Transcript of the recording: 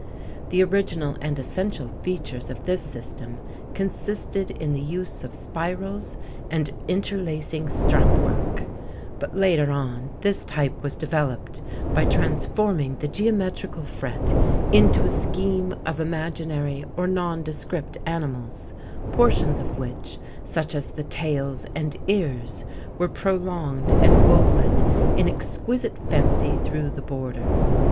The original and essential features of this system consisted in the use of spirals and interlacing strapwork, but later on this type was developed by transforming the geometrical fret into a scheme of imaginary or nondescript animals, portions of which, such as the tails and ears, were prolonged and woven in exquisite fancy through the border.